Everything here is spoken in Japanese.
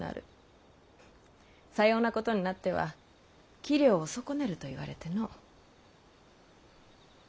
さようなことになっては器量を損ねると言われての。